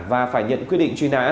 và phải nhận quyết định truy nã